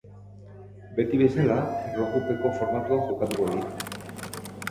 Beti bezala, erlojupeko formatuan jokatuko dira.